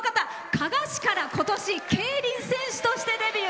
加賀市から今年、競輪選手としてデビュー。